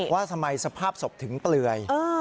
ว่าทำไมสภาพศพถึงเปลือย